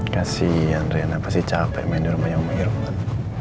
kasian riana pasti capek main di rumahnya umur irwan